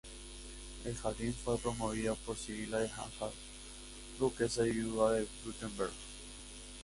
El jardín fue promovido por Sibila de Anhalt, duquesa viuda de Württemberg.